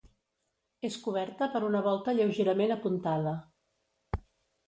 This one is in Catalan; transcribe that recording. És coberta per una volta lleugerament apuntada.